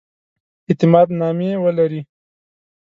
اعتماد نامې ولري.